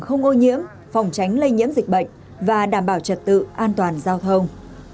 không ô nhiễm phòng tránh lây nhiễm dịch bệnh và đảm bảo trật tự an toàn giao thông